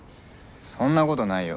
そんなことないよ。